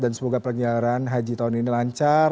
dan semoga perjalanan haji tahun ini lancar